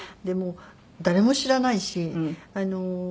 でもう誰も知らないし。